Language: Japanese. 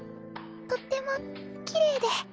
とってもきれいで。